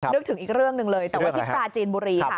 นึกถึงอีกเรื่องหนึ่งเลยแต่ว่าที่ปราจีนบุรีค่ะ